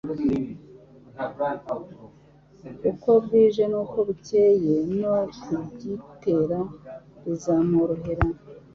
uko bwije n'uko bukeye no kugitera bizamworohere.